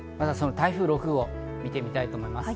台風６号を見てみたいと思います。